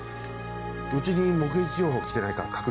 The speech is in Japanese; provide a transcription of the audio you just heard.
うちに目撃情報来てないか確認する。